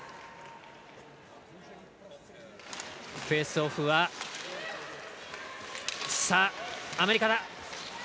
フェースオフはアメリカ。